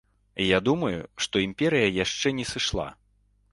Я думаю, што імперыя яшчэ не сышла.